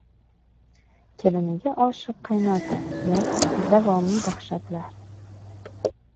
Keliniga oshiq qaynota yoki davomiy dahshatlar...